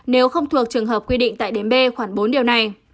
nếu không thuộc trường hợp quy định tại điểm b khoảng bốn điều này